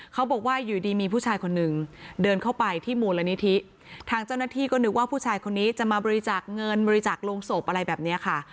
เขาบอกว่าอยู่ดีมีผู้ชายคนนึงเดินเข้าไปที่มูลนิธิทางเจ้าหน้าที่ก็นึกว่าผู้ชายคนนี้จะมาบริจาคเงินบริจาคโรงศพอะไรแบบนี้ค่ะ